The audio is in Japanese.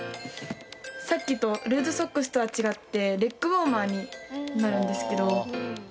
さっきとルーズソックスとは違ってレッグウォーマーになるんですけど。